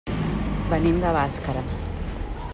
Venim de Bàscara.